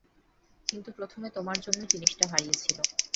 কিন্তু প্রথমে তোমার জন্যই জিনিসটা হারিয়েছিল।